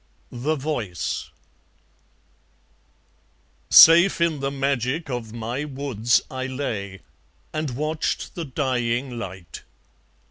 The Voice Safe in the magic of my woods I lay, and watched the dying light.